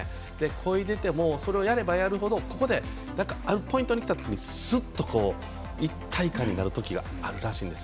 こいでいても、やればやるほどあるポイントにきたときすっと一体感になるときがあるらしいんです。